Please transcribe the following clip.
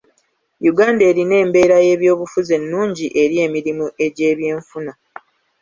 Uganda erina embeera y'ebyobufuzi ennungi eri emirimu egy'ebyenfuna.